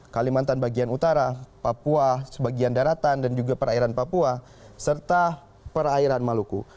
kalimantan bagian utara papua sebagian daratan dan juga perairan papua serta perairan maluku